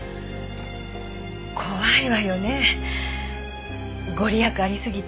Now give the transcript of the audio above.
怖いわよね御利益ありすぎて。